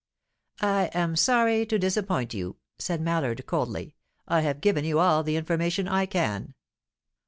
"I am sorry to disappoint you," said Mallard, coldly. "I have given you all the information I can."